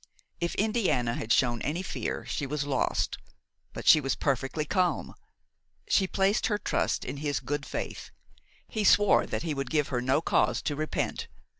If Indiana had shown any fear, she was lost; but she was perfectly calm; she placed her trust in his good faith; he swore that he would give her no cause to repent.